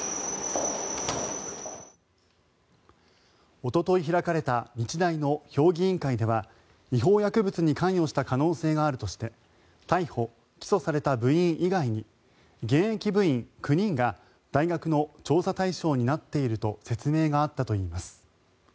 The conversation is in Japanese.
おととい開かれた日大の評議員会では違法薬物に関与した可能性があるとして逮捕・起訴された部員以外に現役部員９人が大学の調査対象になっていると説明があったといいます。